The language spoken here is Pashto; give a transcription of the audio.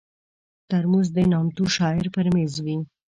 ترموز د نامتو شاعر پر مېز وي.